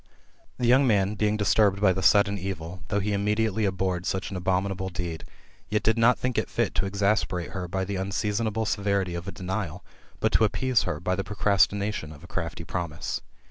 '' The young man being disturbed by the sudden evil, though he immediately abhorred such an abominable deed, yet did not think it fit to exasperate her by the unseasonable severity of a denial but to appease her by the procrastination of a crafty promise.